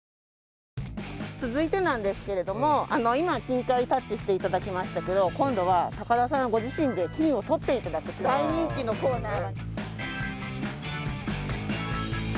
続いてなんですけれども今は金塊にタッチして頂きましたけど今度は高田さんご自身で金を採って頂く大人気のコーナー。